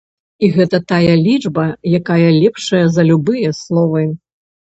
І гэта тая лічба, якая лепшая за любыя словы.